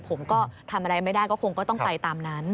ผมก็ทำอะไรไม่ได้ก็คงก็ต้องไปตามนั้น